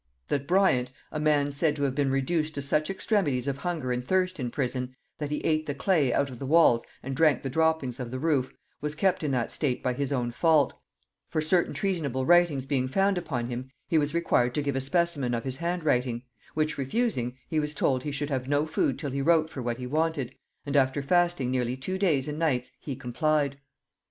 That Briant, a man said to, have been reduced to such extremities of hunger and thirst in prison, that he ate the clay out of the walls and drank the droppings of the roof, was kept in that state by his own fault; for certain treasonable writings being found upon him, he was required to give a specimen of his handwriting; which refusing, he was told he should have no food till he wrote for what he wanted, and after fasting nearly two days and nights he complied.